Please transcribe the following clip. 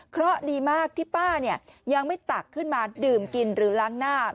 เพราะดีมากที่ป้ายังไม่ตักขึ้นมาดื่มกินหรือล้างหน้า